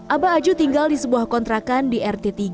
abah aju tinggal di sebuah kontrakan di rt tiga